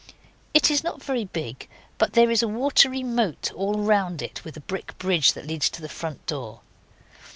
It is not very big, but there is a watery moat all round it with a brick bridge that leads to the front door.